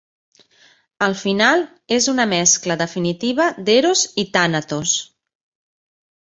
El final és una mescla definitiva d"eros i tànatos.